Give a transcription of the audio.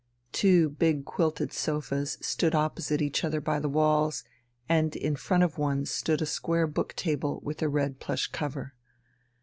Two big quilted sofas stood opposite each other by the walls, and in front of one stood a square book table with a red plush cover.